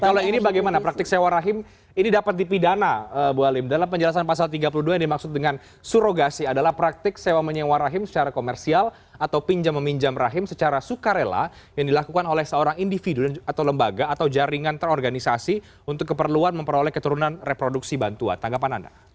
kalau ini bagaimana praktik sewa rahim ini dapat dipidana bu halim dalam penjelasan pasal tiga puluh dua yang dimaksud dengan surogasi adalah praktik sewa menyewa rahim secara komersial atau pinjam meminjam rahim secara sukarela yang dilakukan oleh seorang individu atau lembaga atau jaringan terorganisasi untuk keperluan memperoleh keturunan reproduksi bantuan tanggapan anda